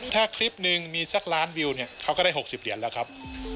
ถ้าคลิปหนึ่งมีสักล้านวิวเนี่ยเขาก็ได้๖๐เหรียญแล้วครับ